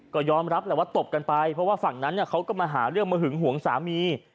ก็ยอมรับแหละว่าตบกันไปเพราะว่าฝั่งนั้นเขาก็มาหาเรื่องมาหึงหวงสามี